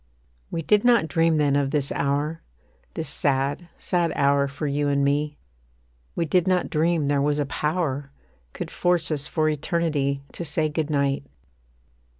We did not dream then of this hour, This sad, sad hour for you and me; We did not dream there was a power Could force us for eternity To say Good night.